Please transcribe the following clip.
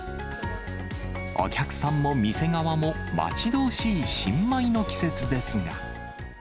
お客さんも店側も、待ち遠しい新米の季節ですが。